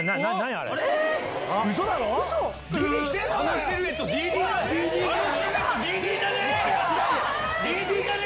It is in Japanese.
あのシルエットＤＤじゃね？